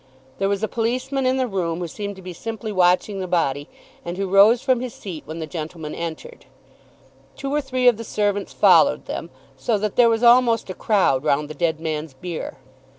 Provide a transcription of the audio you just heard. There was a policeman in the room who seemed to be simply watching the body, and who rose from his seat when the gentlemen entered. Two or three of the servants followed them, so that there was almost a crowd round the dead man's bier.